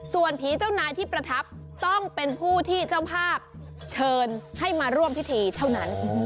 ส่วนผีเจ้านายที่ประทับต้องเป็นผู้ที่เจ้าภาพเชิญให้มาร่วมพิธีเท่านั้น